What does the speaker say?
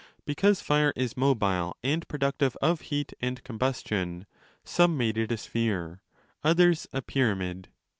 Because fire is mobile and productive of heat* and com bustion, some made it a sphere, others a pyramid.